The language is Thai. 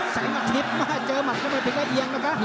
แสงอาทิตย์เจอมัสก็ไม่ผิดได้เอียงนะคะ